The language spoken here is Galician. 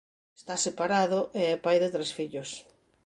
Está separado e é pai de tres fillos.